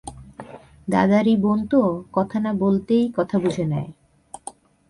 দাদারই বোন তো, কথা না বলতেই কথা বুঝে নেয়।